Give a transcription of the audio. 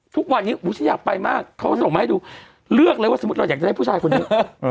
ทุกวันนี้ฉันอยากไปมากเขาก็ส่งมาให้ดูเลือกเลยว่าสมมุติเราอยากจะได้ผู้ชายคนนี้